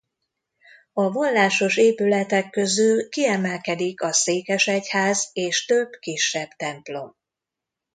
A vallásos épületek közül kiemelkedik a székesegyház és több kisebb templom.